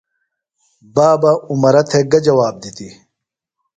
بابہ عمرہ تھےۡ گہ جواب دِتیۡ؟